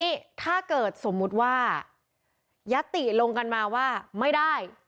นี่ถ้าเกิดสมมุติว่ายัตติลงกันมาว่าไม่ได้